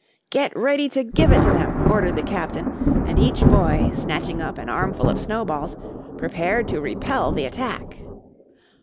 "Get ready to give it to them," ordered the Captain and each boy, snatching up an armful of snowballs, prepared to repel the attack.